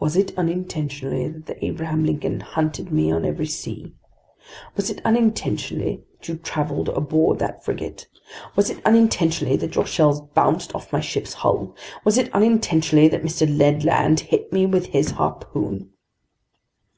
"Was it unintentionally that the Abraham Lincoln hunted me on every sea? Was it unintentionally that you traveled aboard that frigate? Was it unintentionally that your shells bounced off my ship's hull? Was it unintentionally that Mr. Ned Land hit me with his harpoon?"